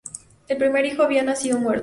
El primer hijo había nacido muerto.